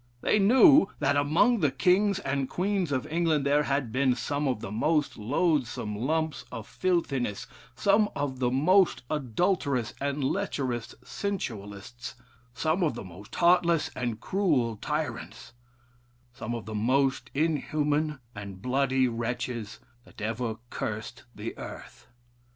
They knew that among the kings and queens of England there had been some of the most loathsome lumps of filthiness some of the most adulterous and lecherous sensualists some of the most heartless and cruel tyrants some of the most inhuman and bloody wretches that ever cursed the earth.